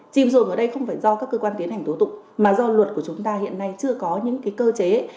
chìm dồn ở đây không phải do các cơ quan tiến hành tố tụng mà do luật của chúng ta hiện nay chưa có những cơ chế